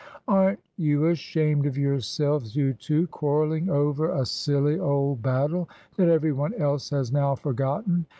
"Aren't you ashamed of yourselves, you two, quarrelling over a silly old battle, that every one else has now forgotten?